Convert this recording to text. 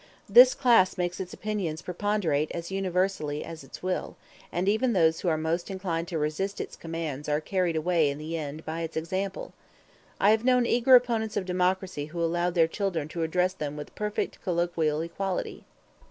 That class makes its opinions preponderate as universally as its will, and even those who are most inclined to resist its commands are carried away in the end by its example. I have known eager opponents of democracy who allowed their children to address them with perfect colloquial equality.